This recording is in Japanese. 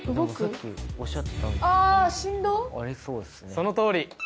そのとおり！